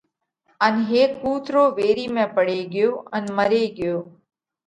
ان ھيڪ ڪُوترو ويري ۾ پڙي ڳيو ان مري ڳيو۔